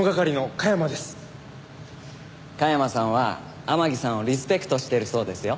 加山さんは天樹さんをリスペクトしてるそうですよ。